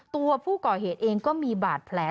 ตัวผู้ก่อเหตุเองก็มีบาดแผล